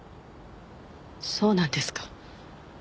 そうなんですか。